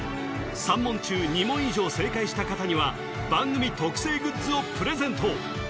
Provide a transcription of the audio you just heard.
３問中２問以上正解した方には番組特製グッズをプレゼント